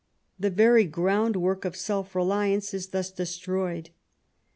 The very groundwork of self reliance is thus destroyed.